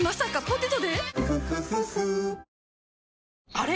あれ？